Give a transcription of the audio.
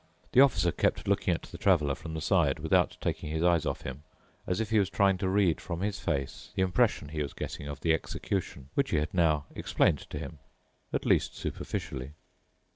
The Officer kept looking at the Traveler from the side, without taking his eyes off him, as if he was trying to read from his face the impression he was getting of the execution, which he had now explained to him, at least superficially.